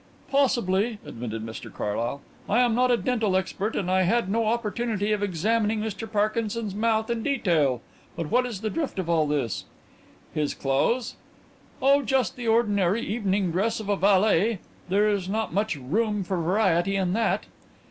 "Possibly," admitted Mr Carlyle. "I am not a dental expert and I had no opportunity of examining Mr Parkinson's mouth in detail. But what is the drift of all this?" "His clothes?" "Oh, just the ordinary evening dress of a valet. There is not much room for variety in that."